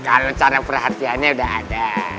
kalo cara perhatiannya udah ada